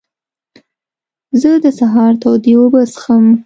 زه د سهار تودې اوبه څښم.